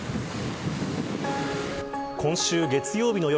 今週月曜日の夜